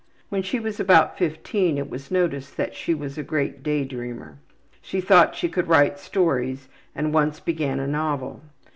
When she was about 15 it was noticed that she was a great day dreamer. She thought she could write stories and once began a novel.